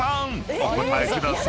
お答えください］